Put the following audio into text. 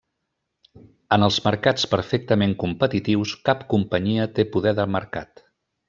En els mercats perfectament competitius, cap companyia té poder de mercat.